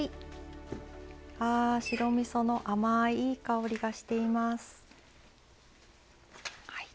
あ白みその甘いいい香りがしています。